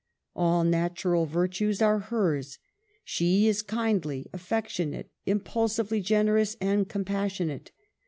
All natural virtues are hers : she is kindly affectionate, impul sively generous, and compassionate.